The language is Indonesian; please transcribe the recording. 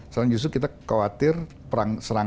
soalnya justru kita khawatir perang